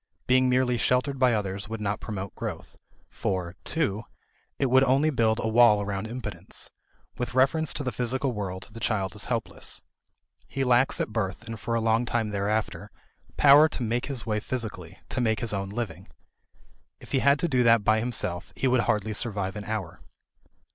Being merely sheltered by others would not promote growth. For (2) it would only build a wall around impotence. With reference to the physical world, the child is helpless. He lacks at birth and for a long time thereafter power to make his way physically, to make his own living. If he had to do that by himself, he would hardly survive an hour.